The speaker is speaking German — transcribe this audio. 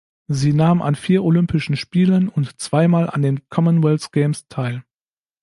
Sie nahm an vier Olympischen Spielen und zweimal an den Commonwealth Games teil.